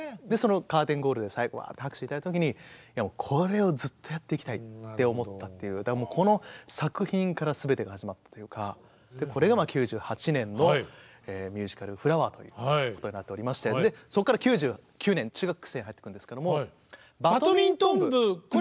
カーテンコールで最後わあって拍手頂いた時にこれをずっとやっていきたいって思ったっていうこの作品から全てが始まったというかこれが９８年のミュージカル「フラワー」ということになっておりましてそこから９９年中学生に入ってくるんですけども。